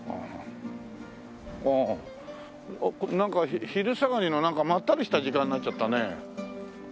ああなんか昼下がりのまったりした時間になっちゃったね。